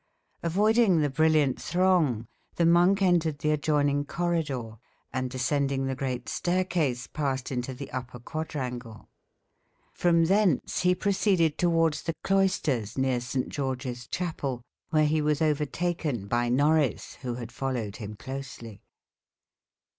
Avoiding the brilliant throng, the monk entered the adjoining corridor, and descending the great staircase, passed into the upper quadrangle. From thence he proceeded towards the cloisters near St. George's Chapel, where he was overtaken by Norris, who had followed him closely.